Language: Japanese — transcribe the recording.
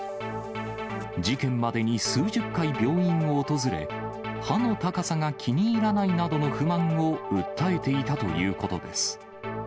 事件までに数十回病院を訪れ、歯の高さが気に入らないなどの不満を訴えていたということです。